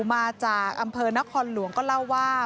มาจากอำเภอนครหลวงก็เล่าว่า